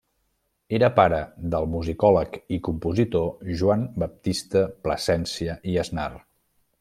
Era pare del musicòleg i compositor Joan Baptista Plasència i Aznar.